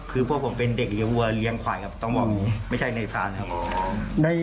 คือพวกผมเป็นเด็กเยียววัวเลี้ยงขวายครับต้องบอกไม่ใช่ในพลานครับ